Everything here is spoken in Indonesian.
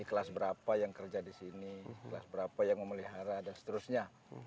kelas berapa yang kerja di sini kelas berapa yang memelihara dan seterusnya